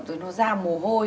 rồi nó ra mồ hôi